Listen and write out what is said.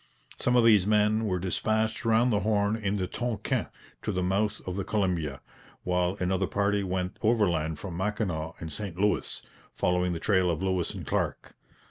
Some of these men were dispatched round the Horn in the Tonquin to the mouth of the Columbia; while another party went overland from Mackinaw and St Louis, following the trail of Lewis and Clark.